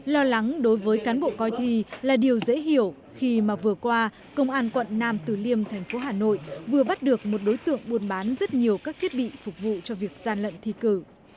lo lắng đối với cán bộ coi thi là điều dễ hiểu khi mà vừa qua công an quận nam từ liêm thành phố hà nội vừa bắt được một đối tượng buôn bán rất nhiều các thiết bị phục vụ cho việc gian lận thi cử